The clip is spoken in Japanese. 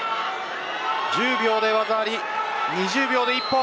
１０秒で技あり、２０秒で一本。